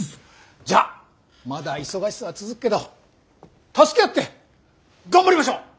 じゃあまだ忙しさは続くけど助け合って頑張りましょう！